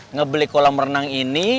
ngebeli kolam berenang ini